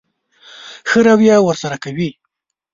ښه رويه ورسره کوئ.